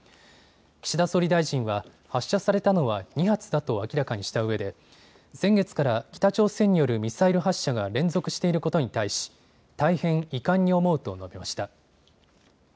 岸田総理大臣は発射されたのは２発だと明らかにしたうえで先月から北朝鮮によるミサイル発射が連続していることに対し大変遺憾に思うと述べました。